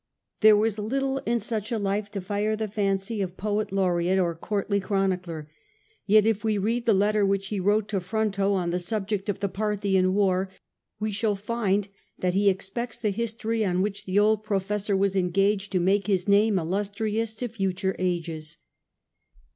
There was little in such a life to fire the fancy of poet laureate or courtly chronicler. Yet if we read the letter which he wrote to Fronto on the subject of the Parthian war, we shall find that he expects the history on which the old professor was engaged to make his name illustrious to future ages.